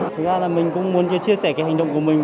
thực ra là mình cũng muốn chia sẻ cái hành động của mình